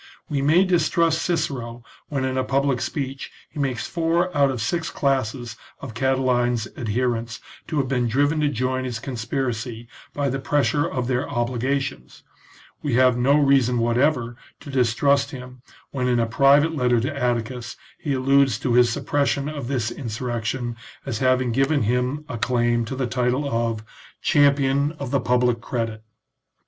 We may distrust Cicero when in a public speech he makes four out of six classes of Catiline's adherents to have been driven to join his conspiracy by the pressure of their obligations ; we have no reason whatever to distrust XXX INTRODUCTION TO CONSPIRACY OF CATILINE. him when in a private letter to Atticus he alludes to his suppression of this insurrection as having given him a claim to the title of champion of the public credit."